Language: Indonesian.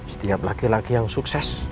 setiap laki laki yang sukses